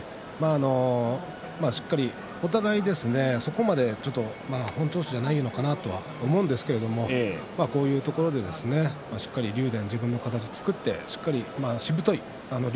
しっかりとお互いにそこまで本調子じゃないのかなと思うんですけれどこういうところで、しっかり竜電は自分の形を作ってしぶとい竜